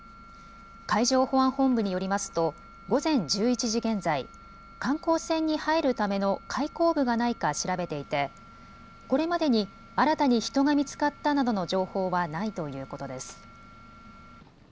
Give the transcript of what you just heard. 海上保安本部によりますと午前１１時現在、観光船に入るための開口部がないか調べていてこれまでに新たに人が見つかったなどの情報はないということです。